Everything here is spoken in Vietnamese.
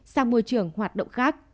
sang môi trường hoạt động khác